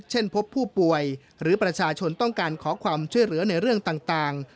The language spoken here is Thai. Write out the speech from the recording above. เช่นพบผู้ป่วยหรือประชาชนต้องการขอความช่วยเหลือในเรื่องต่าง